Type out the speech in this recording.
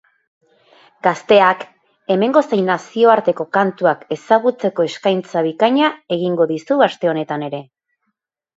Gazteak hemengo zein nazioarteko kantuak ezagutzeko eskaintza bikaina egingo dizu aste honetan ere.